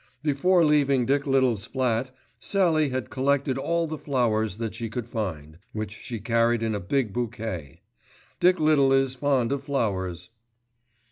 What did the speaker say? Before leaving Dick Little's flat, Sallie had collected all the flowers that she could find, which she carried in a big bouquet. Dick Little is fond of flowers.